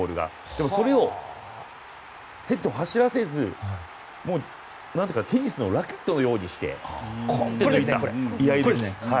でも、ヘッドを走らせずテニスのラケットのようにしてこーんって抜いた、居合抜き。